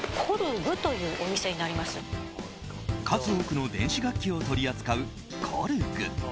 数多くの電子楽器を取り扱うコルグ。